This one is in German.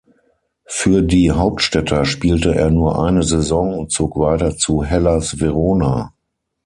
Für die Hauptstädter spielte er nur eine Saison und zog weiter zu Hellas Verona.